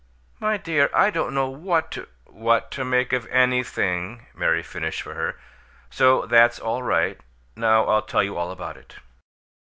"My dear, I don't know what to " "What to make of anything!" Mary finished for her. "So that's all right! Now I'll tell you all about it.